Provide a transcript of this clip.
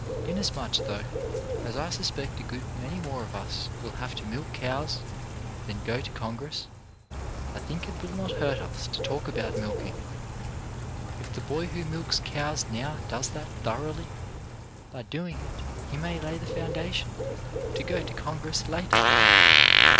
Inasmuch, though, as I suspect a good many more of us will have to milk cows 213 2i 4 CHARACTER BUILDING than can go to Congress, I think it will not hurt us to talk about milking. If the boy who milks cows now does that thoroughly, by doing it he may lay the foundation to go to Congress later.